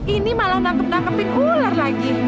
ini malah nangkep nangkepin gular lagi